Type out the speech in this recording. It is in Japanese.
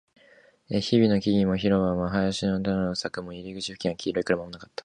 あの木々も、広場も、林を囲う柵も、入り口付近の黄色い車もなかった